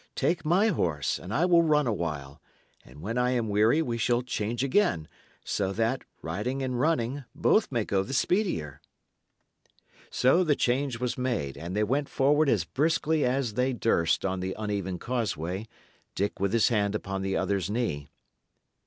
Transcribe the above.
Take my horse, and I will run awhile, and when I am weary we shall change again, that so, riding and running, both may go the speedier." So the change was made, and they went forward as briskly as they durst on the uneven causeway, Dick with his hand upon the other's knee.